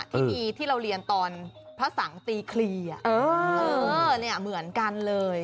ที่มีที่เราเรียนตอนพระสังค์ตีครีอ่ะเออเนี่ยเหมือนกันเลย